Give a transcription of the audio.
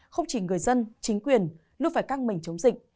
không chỉ người dân chính quyền luôn phải căng mình chống dịch